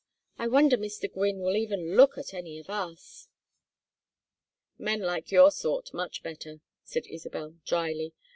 I wonder Mr. Gwynne will even look at any of us." "Men like your sort much better," said Isabel, dryly.